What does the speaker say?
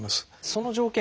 その条件